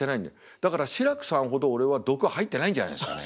だから志らくさんほど俺は毒吐いてないんじゃないですかね。